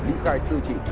bị khai tư trị